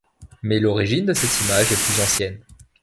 Mais l'origine de cette image est plus ancienne.